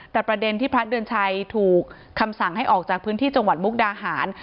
แต่ประเด็นที่พระเดือนชัยถูกคำสั่งให้ออกจากพื้นที่จังหวัดมุกดาหาร